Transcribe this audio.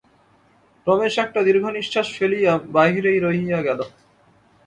রমেশ একটা দীর্ঘনিশ্বাস ফেলিয়া বাহিরেই রহিয়া গেল।